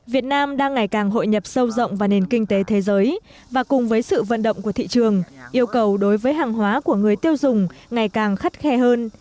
việt nam đang ngày càng hội nhập sâu rộng vào nền kinh tế thế giới và cùng với sự vận động của thị trường yêu cầu đối với hàng hóa của người tiêu dùng ngày càng khắt khe hơn